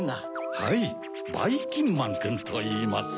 はいばいきんまんくんといいます。